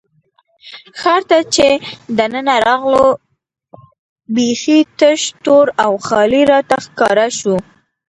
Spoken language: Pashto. ښار ته چې دننه راغلو، بېخي تش، تور او خالي راته ښکاره شو.